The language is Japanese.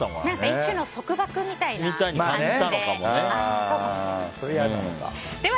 一種の束縛みたいな感じで。